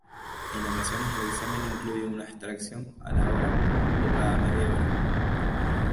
En ocasiones el examen incluye una extracción a la hora o cada media hora.